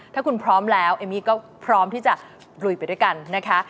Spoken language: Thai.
ถ้าคุณพร้อมแล้วเอมมี่ก็พร้อมที่จะลุยไปด้วยกันนะคะ